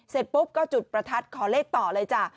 เสร็จปุ๊บก็จุดประทัดขอเลขต่อเลยจ้ะ